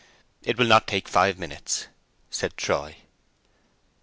"It will not take five minutes," said Troy.